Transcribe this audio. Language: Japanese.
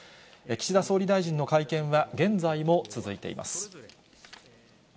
岸田総理大臣の会見は、現在も続いています。